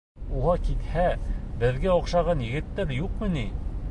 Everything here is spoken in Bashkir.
Уға китһә, беҙгә оҡшаған егеттәр юҡмы ни?